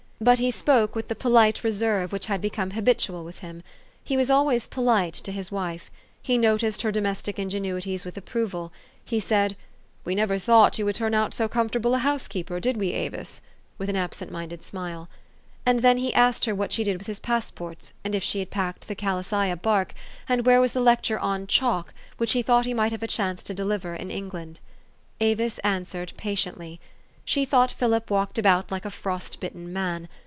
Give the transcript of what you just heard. But he spoke with the polite reserve which had become habitual with him. He was always polite to his wife. He noticed her domestic ingenuities with approval. He said, 4 ' We never thought }'ou would turn out so com fortable a housekeeper, did we, Avis?'* with an absent minded smile. And then he asked her what she did with his passports, and if she had packed THE STORY OF AVIS. 363 the Calasaya bark, and where was the lecture on " Chalk," which he thought he might have a chance to deliver in England. Avis answered patiently. She thought Philip walked about like a frost bitten man.